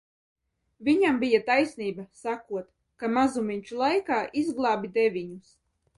"Viņam bija taisnība, sakot, ka "mazumiņš laikā izglābj deviņus"."